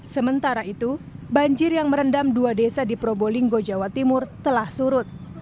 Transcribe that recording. sementara itu banjir yang merendam dua desa di probolinggo jawa timur telah surut